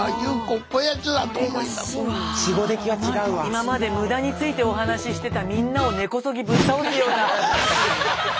今まで無駄についてお話ししてたみんなを根こそぎぶっ倒すような。